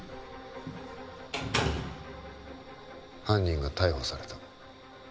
犯人が逮捕された